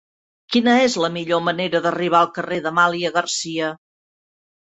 Quina és la millor manera d'arribar al carrer d'Amàlia Garcia?